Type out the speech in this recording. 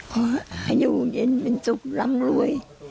ขอให้อยู่เย็นเป็นสุขร่ำรวย